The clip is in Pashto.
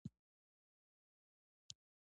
بل ټکټ به په خپل لګښت واخلم.